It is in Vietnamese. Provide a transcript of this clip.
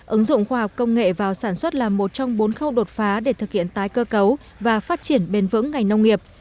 ứng dụng khoa học công nghệ vào sản xuất là một trong bốn khâu đột phá để thực hiện tái cơ cấu và phát triển bền vững ngành nông nghiệp